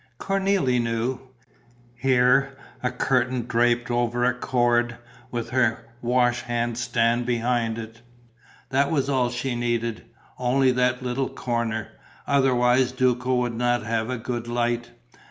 Cornélie knew: here, a curtain draped over a cord, with her wash hand stand behind it. That was all she needed, only that little corner: otherwise Duco would not have a good light.